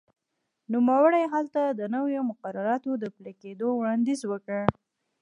نوموړي هلته د نویو مقرراتو د پلي کېدو وړاندیز وکړ.